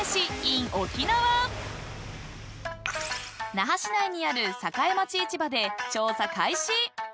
［那覇市内にある栄町市場で調査開始！］